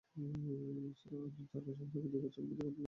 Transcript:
সারা ঢাকা শহরকে দুই বছরের মধ্যে কমপ্লিটলি সিসিটিভির নিয়ন্ত্রণে আনা যাবে।